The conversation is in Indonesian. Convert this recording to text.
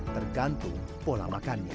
tergantung pola makannya